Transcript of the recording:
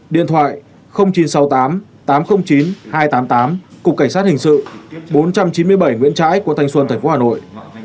điện thoại chín trăm sáu mươi tám tám trăm linh chín hai trăm tám mươi tám cục cảnh sát hình sự bốn trăm chín mươi bảy nguyễn trãi quận thanh xuân tp hà nội